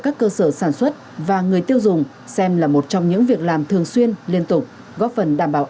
các cơ sở sản xuất và người tiêu dùng xem là một trong những việc làm thường xuyên liên tục góp phần đảm bảo